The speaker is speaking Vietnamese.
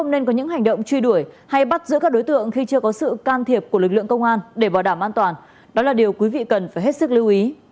nên có những hành động truy đuổi hay bắt giữ các đối tượng khi chưa có sự can thiệp của lực lượng công an để bảo đảm an toàn đó là điều quý vị cần phải hết sức lưu ý